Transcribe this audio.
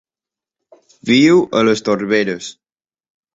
Viu a les torberes.